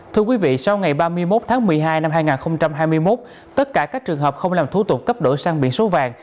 thưa quý vị sau ngày ba mươi một tháng một mươi hai năm hai nghìn hai mươi một tất cả các trường hợp không làm thủ tục cấp đổi sang biển số vàng